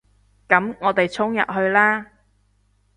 噉我哋衝入去啦